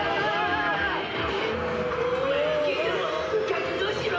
覚悟しろ！